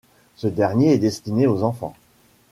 Ce dernier est destiné aux enfants.